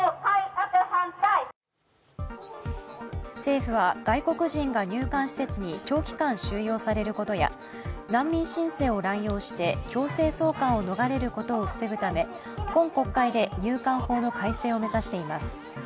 政府は外国人が入管施設に長期間収容されることや難民申請を乱用して強制送還を逃れることを防ぐため今国会で入管法の改正を目指しています。